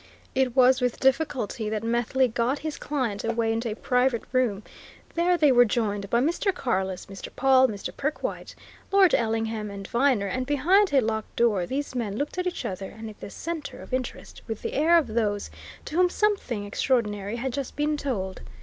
It was with difficulty that Methley got his client away into a private room; there they were joined by Mr. Carless, Mr. Pawle, Mr. Perkwite, Lord Ellingham and Viner, and behind a locked door these men looked at each other and at this centre of interest with the air of those to whom something extraordinary has just been told.